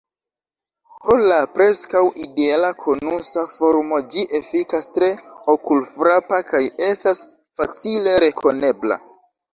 Pro la preskaŭ ideala konusa formo ĝi efikas tre okulfrapa kaj estas facile rekonebla.